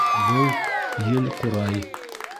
— Был ел-ҡурай.